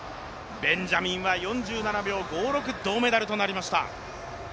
ベンジャミンは４７秒５６銅メダルとなりました。